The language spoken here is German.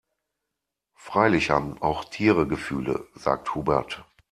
Freilich haben auch Tiere Gefühle, sagt Hubert.